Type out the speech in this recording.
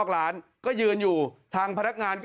คำเขื่อนแก้วยะสวทรพนักงานบอกตก